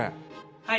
はい。